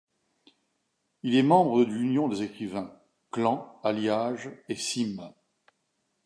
Il est membre de l'Union des Écrivains, Clan, Alliage et Cime.